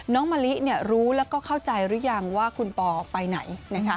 มะลิรู้แล้วก็เข้าใจหรือยังว่าคุณปอไปไหน